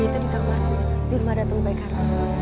yaitu di kamar di rumah dato' lebay karat